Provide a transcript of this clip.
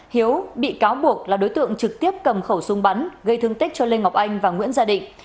hiếu bị cáo buộc là đối tượng trực tiếp cầm khẩu súng bắn gây thương tích cho lê ngọc anh và nguyễn gia định